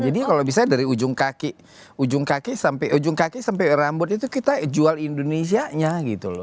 jadi kalau bisa dari ujung kaki sampai rambut itu kita jual indonesia nya gitu loh